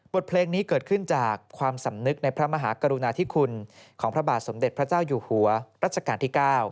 เพลงนี้เกิดขึ้นจากความสำนึกในพระมหากรุณาธิคุณของพระบาทสมเด็จพระเจ้าอยู่หัวรัชกาลที่๙